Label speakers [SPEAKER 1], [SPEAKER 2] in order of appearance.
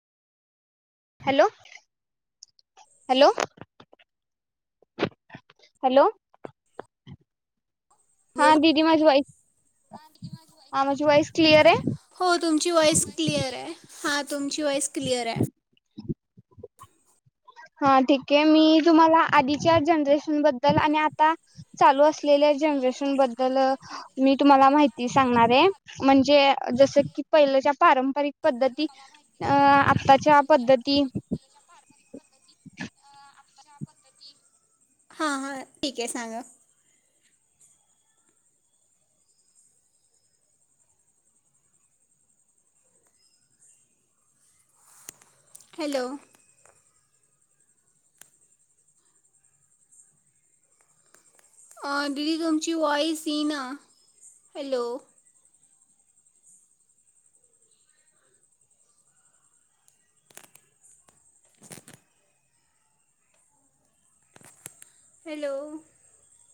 [SPEAKER 1] Hello, hello, hello - हा
[SPEAKER 2] बोल
[SPEAKER 1] दीदी माझी वॉइस हा माझी वॉइस क्लिअरे.
[SPEAKER 2] हा तुम्- ची वॉइस क्लअरे.
[SPEAKER 1] हा ठीके मी तुम्हाला आधीच्या जनरेशन बद्दल आणि आता चालू असलेल्या जनरेशन बद्दल मी तुम्हाला माहिती सांगणारे म्हणजे जस की पहिल्याच्या पारंपरिक पद्धती- अं आत्ताच्या पद्धती- [inaudible]
[SPEAKER 2] हा हा ठीके सांगा. हॅलो- दिदी तुमची वॉईस येईना हॅलो- हॅलो-